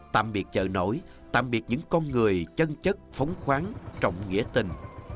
tạm biệt chợ nổi tạm biệt những con người chân chất phóng khoáng trọng nghĩa tình